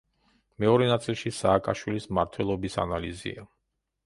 მეორე ნაწილში „სააკაშვილის მმართველობის ანალიზია“.